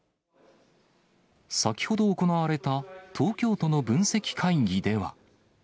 先ほど行われた東京都の分析会議では。